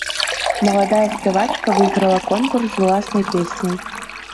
Маладая спявачка выйграла конкурс з уласнай песняй.